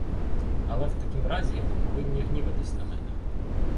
Але в такім разі ви повинні гніватись на мене.